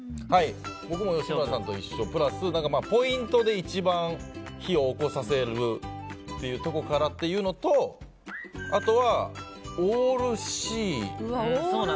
僕も吉村さんと一緒、プラスポイントで一番火をおこさせるというところからというのとあとはオールＣ。